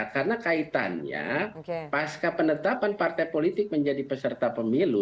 karena kaitannya pas kepenetapan partai politik menjadi peserta pemilu